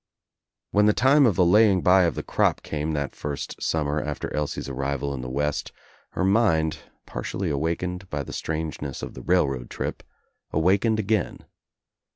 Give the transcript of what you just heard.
When the time of the laying by of the crop came that first summer after Elsie's arrival in the West her mind, partially awakened by the strangeness of the railroad trip, awakened again.